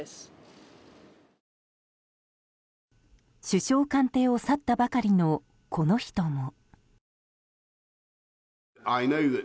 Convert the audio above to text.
首相官邸を去ったばかりのこの人も。